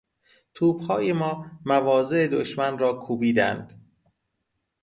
توپهای ما مواضع دشمن را کوبیدند.